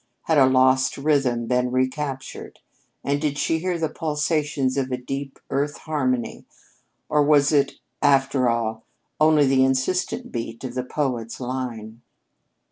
Had a lost rhythm been recaptured, and did she hear the pulsations of a deep Earth harmony or was it, after all, only the insistent beat of the poet's line?